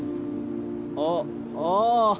あっあぁ